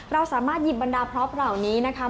เราสามารถหยิบบรรดาพร็อปเหล่านี้นะคะ